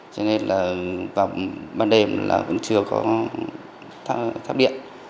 cho nên là vào ban đêm là vẫn chưa có phát điện